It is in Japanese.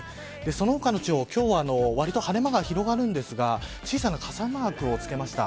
その他の地方、今日はわりと晴れ間が広がるんですが小さな傘マークをつけました。